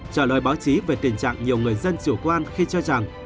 trả lời báo chí về tình trạng nhiều người dân chủ quan khi cho rằng